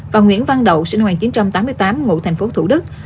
và nguyễn văn đậu sinh năm một nghìn chín trăm tám mươi tám ngụ tp thủ đức